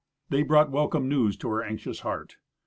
They brought welcome news to her anxious heart.